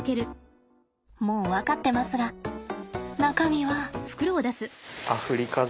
もう分かってますが中身は。